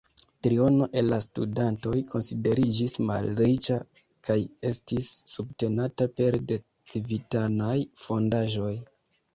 Triono el la studantoj konsideriĝis malriĉa kaj estis subtenata pere de civitanaj fondaĵoj.